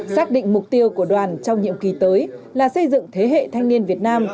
xác định mục tiêu của đoàn trong nhiệm kỳ tới là xây dựng thế hệ thanh niên việt nam